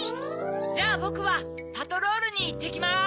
じゃあぼくはパトロールにいってきます。